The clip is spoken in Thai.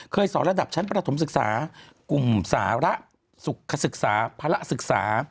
สอนระดับชั้นประถมศึกษากลุ่มสาระศึกษาภาระศึกษา